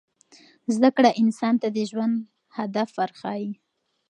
زده کړه انسان ته د ژوند هدف ورښيي.